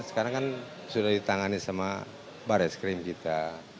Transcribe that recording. sekarang kan sudah ditangani sama bar es krim kita